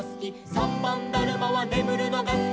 「さんばんだるまはねむるのがすき」